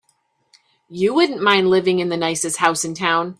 You wouldn't mind living in the nicest house in town.